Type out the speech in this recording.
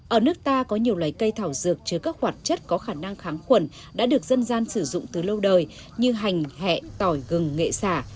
ở nước ta có nhiều loài cây thảo dược chứa các hoạt chất có khả năng kháng khuẩn đã được dân gian sử dụng từ lâu đời như hành hẹ tỏi gừng nghệ xả